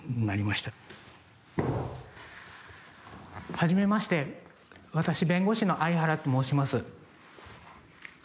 はじめまして私弁護士の相原と申します。